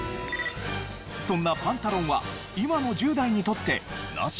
そんなパンタロンは今の１０代にとってナシ？